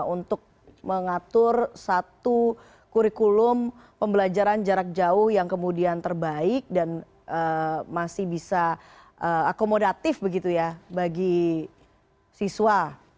untuk mengatur satu kurikulum pembelajaran jarak jauh yang kemudian terbaik dan masih bisa akomodatif begitu ya bagi siswa